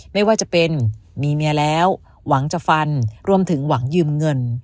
ไม่ว่าจะเป็นมีเมียแล้วหวังจะฟันรวมถึงหวังยืมเงิน